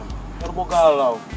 ntar gue galau